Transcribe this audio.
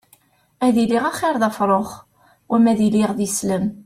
Ad iliɣ axiṛ d afṛux wama ad iliɣ d islem.